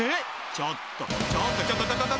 ［ちょっと！